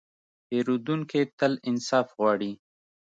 پیرودونکی تل انصاف غواړي.